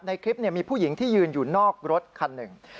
ในคลิปมีผู้หญิงที่ยืนอยู่นอกรถคันหนึ่ง